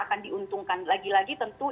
akan diuntungkan lagi lagi tentu